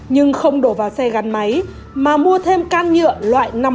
nhưng không đổ vào xe gắn máy mà mua thêm can nhựa loại năm lít để chứa